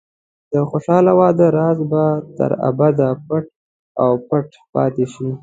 د خوشحاله واده راز به تر ابده پټ او پټ پاتې شي.